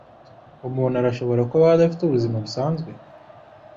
Umuntu arashobora kubaho adafite ubuzima busanzwe?